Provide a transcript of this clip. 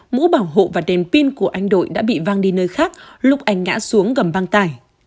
mũ bảo hộ và đèn pin của anh đội đã bị vang đi nơi khác lúc anh ngã xuống gầm băng tải